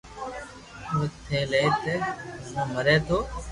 وقت ھي لئي لي ورنہ مري تو